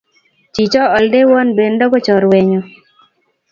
Chicho ko aldewon pendo ko chorwennyu.